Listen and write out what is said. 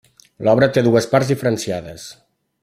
L'obra té dues parts diferenciades.